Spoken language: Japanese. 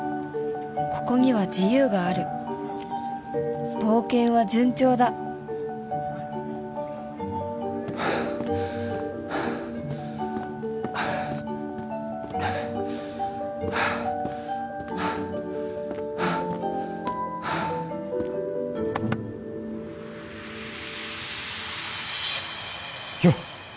ここには自由がある冒険は順調だよっ！